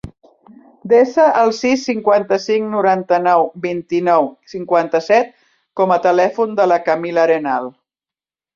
Desa el sis, cinquanta-cinc, noranta-nou, vint-i-nou, cinquanta-set com a telèfon de la Camila Arenal.